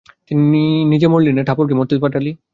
নিজে মরলি নে, ঠাকুরপোকে মরতে পাঠালি!